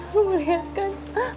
lo melihat kan